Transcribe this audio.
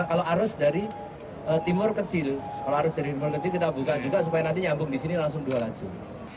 kalau arus dari timur kecil kita buka juga supaya nanti nyambung di sini langsung dua lajur